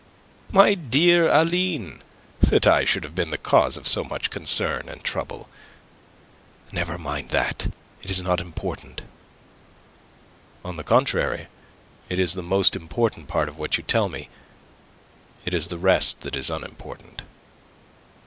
"My dear Aline! That I should have been the cause of so much concern and trouble!" "Never mind that. It is not important." "On the contrary; it is the most important part of what you tell me. It is the rest that is unimportant."